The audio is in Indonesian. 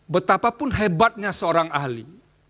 betapapun hebatnya seorang ahli